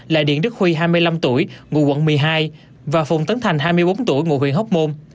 hai đối tượng cướp dật tài sản là điện đức huy hai mươi năm tuổi ngụ quận một mươi hai và phùng tấn thành hai mươi bốn tuổi ngụ huyền hốc môn